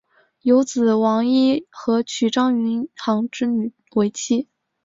有子王尹和娶张云航之女为妻。